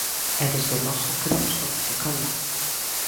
E, desde logo, queremos cuantificalo.